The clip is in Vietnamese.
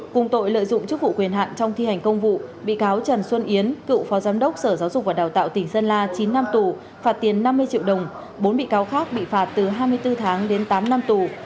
cùng tội lợi dụng chức vụ quyền hạn trong thi hành công vụ bị cáo trần xuân yến cựu phó giám đốc sở giáo dục và đào tạo tỉnh sơn la chín năm tù phạt tiền năm mươi triệu đồng bốn bị cáo khác bị phạt từ hai mươi bốn tháng đến tám năm tù